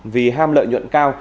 vì ham lợi nhuận cao